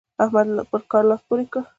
احمد پر کار لاس پورې کړ.